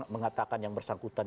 mengatakan yang bersangkutan